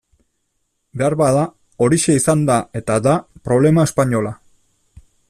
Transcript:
Beharbada horixe izan da eta da problema espainola.